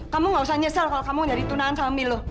kamu gak usah nyesel kalau kamu jadi tunahan sama milo